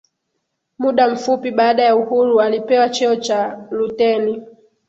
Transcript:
muda mfupi baada ya uhuru alipewa cheo cha luteni